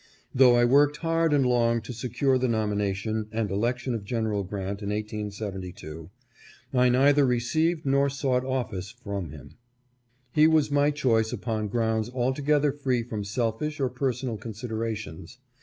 Though I worked hard and long to secure the nomination and election of Gen. Grant in 1872, I neither received nor sought office from him. He was my choice upon grounds altogether free from selfish or per sonal considerations.